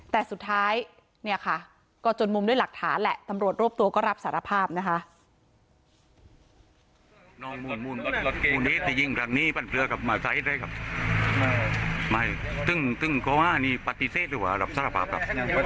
แต่สุดท้ายเนี่ยค่ะก็จนมุมด้วยหลักฐานแหละตำรวจรวบตัวก็รับสารภาพนะคะ